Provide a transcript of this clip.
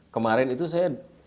kemarin itu saya